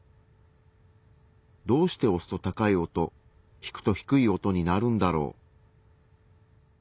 どうして押すと高い音引くと低い音になるんだろう？